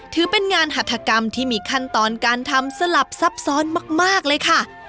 ถือเป็นงานหัฐกรรมที่มีขั้นตอนการทำสลับซับซ้อนมากเลยค่ะ